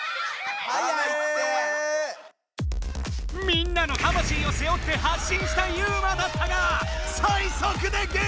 みんなの魂を背負って発進したユウマだったが最速でげきちん！